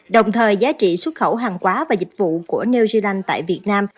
đồng thời giá trị xuất khẩu hàng quá và dịch vụ của new zealand tại việt nam